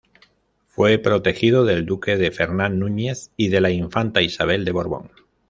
Fue protegido del duque de Fernán Núñez y de la infanta Isabel de Borbón.